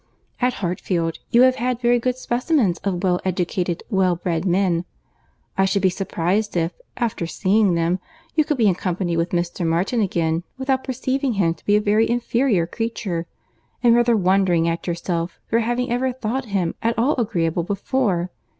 At Hartfield, you have had very good specimens of well educated, well bred men. I should be surprized if, after seeing them, you could be in company with Mr. Martin again without perceiving him to be a very inferior creature—and rather wondering at yourself for having ever thought him at all agreeable before.